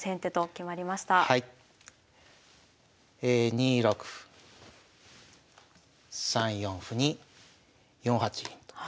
２六歩３四歩に４八銀と。